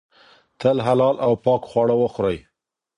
تل حلال او پاک خواړه وخورئ.